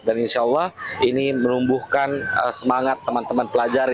dan insya allah ini menumbuhkan semangat teman teman pelajar